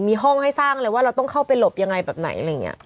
มีห้องให้สร้างเลยว่าเราต้องเข้าไปหลบยังไงแบบไหนอะไรอย่างนี้